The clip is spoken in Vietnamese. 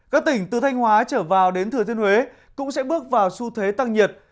các tỉnh từ thanh hóa trở vào đến thừa thiên huế cũng sẽ bước vào xu thế tăng nhiệt